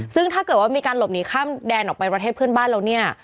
ซึ่งถ้าเกิดว่ามีการหลบหนีข้ามแดนออกไปประเทศเพื่อนบ้านแล้วเนี่ย